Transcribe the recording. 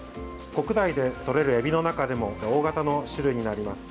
国内でとれるえびの中でも大型の種類になります。